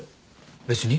別に。